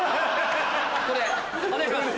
これお願いします！